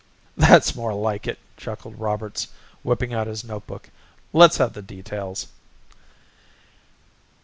"That's more like it," chuckled Roberts, whipping out his notebook. "Let's have the details."